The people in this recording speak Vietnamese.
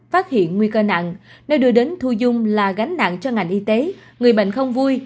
phát hiện nguy cơ nặng nơi đưa đến thu dung là gánh nặng cho ngành y tế người bệnh không vui